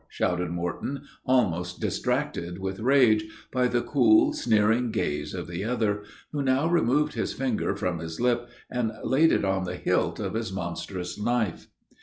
shouted Morton, almost distracted with rage, by the cool, sneering gaze of the other, who now removed his finger from his lip, and laid it on the hilt of his monstrous knife.